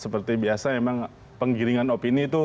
seperti biasa memang penggiringan opini itu